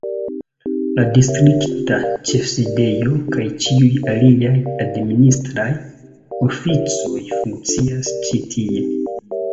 La distrikta ĉefsidejo kaj ĉiuj aliaj administraj oficoj funkcias ĉi tie.